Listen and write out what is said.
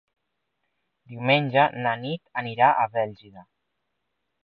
Diumenge na Nit anirà a Bèlgida.